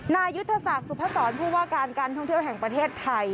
นายุธศากทรุภศรพควการท่องเที่ยวแห่งประเทศไทย